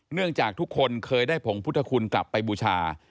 จากทุกคนเคยได้ผงพุทธคุณกลับไปบูชา